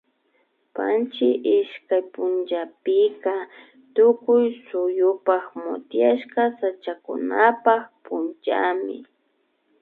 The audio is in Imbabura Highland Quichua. Panchi ishkay punllapika Tukuy suyupak motiashka sachakunapak punllami